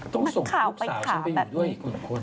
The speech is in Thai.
ต้องส่งลูกสาวฉันไปอยู่ด้วยอีกคน